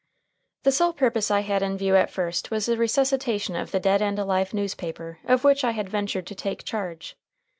The sole purpose I had in view at first was the resuscitation of the dead and alive newspaper of which I had ventured to take charge.